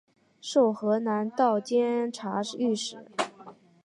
授河南道监察御史。